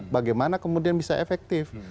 bagaimana kemudian bisa efektif